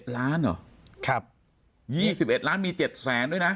๒๑ล้านหรอครับ๒๑ล้านมี๗๐๐บาทด้วยนะ